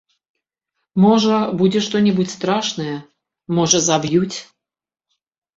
Можа, будзе што-небудзь страшнае, можа, заб'юць.